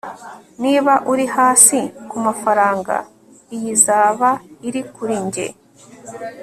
niba uri hasi kumafaranga, iyi izaba iri kuri njye